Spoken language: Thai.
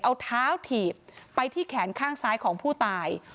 เอาเท้าถีบไปที่แขนข้างซ้ายของผู้ตาย